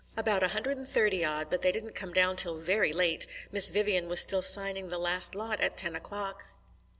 "About a hundred and thirty odd, but they didn't come down till very late. Miss Vivian was still signing the last lot at ten o'clock."